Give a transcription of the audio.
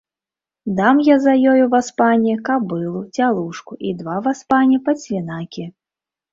Дам я за ёю, васпане, кабылу, цялушку і два, васпане, падсвінакі.